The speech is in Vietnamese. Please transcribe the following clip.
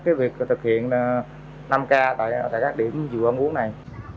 cái việc thực hiện năm k tại các điểm dù âm uống này